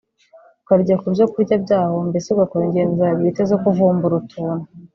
ukarya ku byo kurya by’aho mbese ugakora ingendo zawe bwite zo kuvumbura utuntu